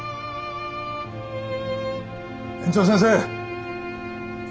園長先生！